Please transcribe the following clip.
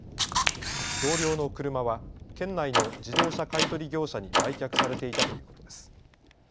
同僚の車は県内の自動車買い取り業者に売却されていたということです。